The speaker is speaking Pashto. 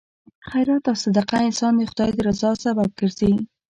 خیرات او صدقه انسان د خدای د رضا سبب ګرځي.